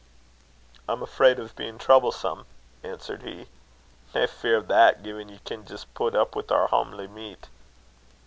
"I'm afraid of being troublesome," answered he. "Nae fear o' that, gin ye can jist pit up wi' oor hamely meat."